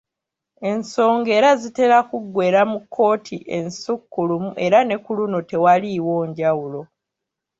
Ensonga era zitera kuggweera mu kkooti Ensukkulumu era ne ku luno tewaliiwo njawulo.